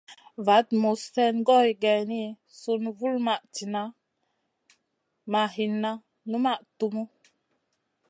Vaɗ muzn slèn goy geyni, sùn vulmaʼ tinʼ ma hinna, numaʼ tumu.